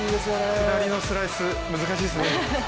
下りのスライス難しいですね。